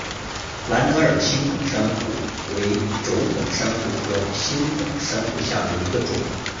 蓝德尔星孔珊瑚为轴孔珊瑚科星孔珊瑚下的一个种。